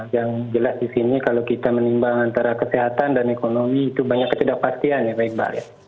yang jelas di sini kalau kita menimbang antara kesehatan dan ekonomi itu banyak ketidakpastian ya pak iqbal